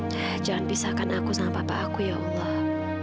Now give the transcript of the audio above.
nah jangan pisahkan aku sama papa aku ya allah